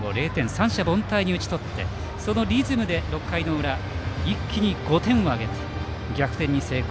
三者凡退に打ち取ってそのリズムで６回の裏、一気に５点を挙げ逆転に成功。